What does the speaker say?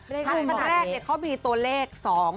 เลขรุมแรกเขามีตัวเลข๒๘๐